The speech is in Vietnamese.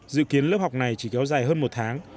dự kiến lớp học này chỉ kéo dài hơn một tháng